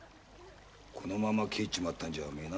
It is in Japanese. このまま帰っちまったんじゃお前な。